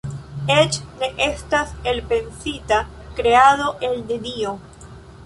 Eĉ ne estas elpensita "kreado el nenio.